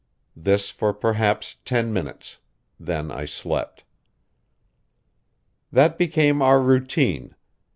This for perhaps ten minutes; then I slept. That became our routine.